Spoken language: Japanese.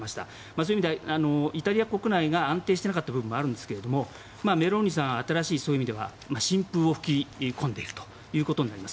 そういう意味ではイタリア国内が安定していなかった部分もあるんですがメローニさん、新しい新風を吹き込んでいるということになります。